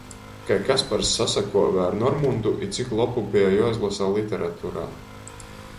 Kai Kaspars sasakuove ar Normundu i cik lopu beja juoizlosa literaturā.